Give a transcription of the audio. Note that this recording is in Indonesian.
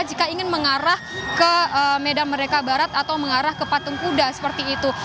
jika ingin mengarah ke medan merdeka barat atau mengarah ke patung kuda seperti itu